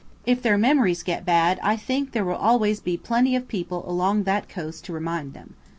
If their memories get bad I think there will always be plenty of people along that coast to remind them!